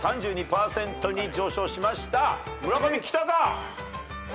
村上きたか？